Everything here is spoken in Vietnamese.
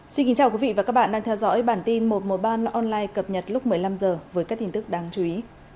xin kính chào quý vị và các bạn đang theo dõi bản tin một trăm một mươi ba online cập nhật lúc một mươi năm h với các tin tức đáng chú ý